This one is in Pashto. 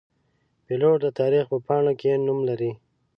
پیلوټ د تاریخ په پاڼو کې نوم لري.